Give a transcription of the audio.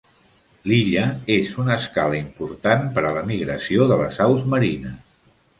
L'illa és una escala important per a la migració de les aus marines.